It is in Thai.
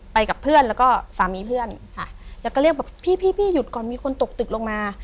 ไปกับเพื่อนแล้วก็สามีเพื่อนค่ะแล้วก็เรียกแบบพี่พี่หยุดก่อนมีคนตกตึกลงมา